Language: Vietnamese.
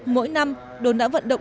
mỗi năm đồn đã vận động